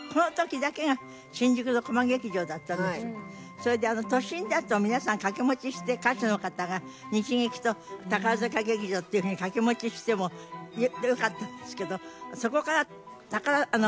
それであの都心だと皆さん掛け持ちして歌手の方が日劇と宝塚劇場っていうふうに掛け持ちしてもよかったんですけど。